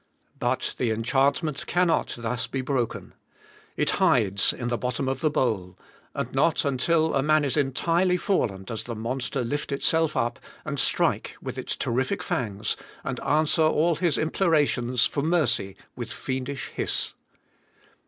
But the enchantment cannot thus be broken. It hides in the bottom of the bowl; and not until a man is entirely fallen does the monster lift itself up, and strike with its terrific fangs, and answer all his implorations for mercy with fiendish hiss.